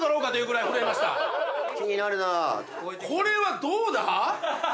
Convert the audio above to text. これはどうだ？